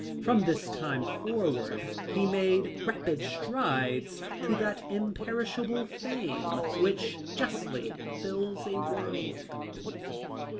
From this time forward he made rapid strides to that imperishable fame which justly fills a world."